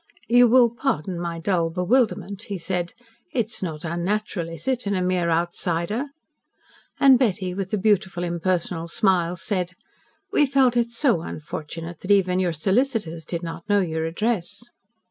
"You will pardon my dull bewilderment," he said. "It is not unnatural, is it in a mere outsider?" And Betty, with the beautiful impersonal smile, said: "We felt it so unfortunate that even your solicitors did not know your address."